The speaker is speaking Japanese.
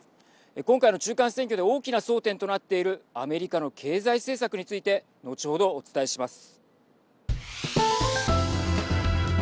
今回の中間選挙で大きな争点となっているアメリカの経済政策について後ほどお伝えします。